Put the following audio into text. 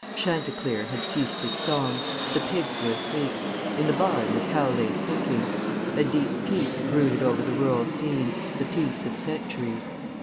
Chanticleer had ceased his song; the pigs were asleep; in the barn the cow lay thinking. A deep peace brooded over the rural scene, the peace of centuries.